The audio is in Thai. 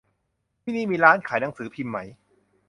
ที่นี่มีร้านขายหนังสือพิมพ์ไหม